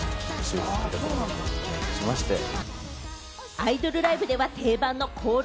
アイドルライブでは定番のコール。